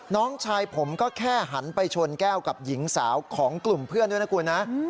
น้องชายผมก็แค่หันไปชนแก้วกับหญิงสาวของกลุ่มเพื่อนด้วยนะคุณนะ